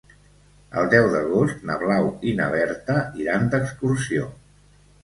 El deu d'agost na Blau i na Berta iran d'excursió.